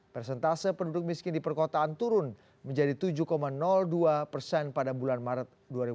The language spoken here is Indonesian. persentase penduduk miskin di perkotaan turun menjadi tujuh dua persen pada bulan maret dua ribu dua puluh